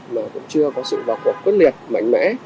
mà cũng chưa có sự vào cuộc quyết liệt mạnh mẽ